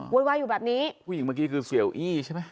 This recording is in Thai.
วายอยู่แบบนี้ผู้หญิงเมื่อกี้คือเสียวอี้ใช่ไหม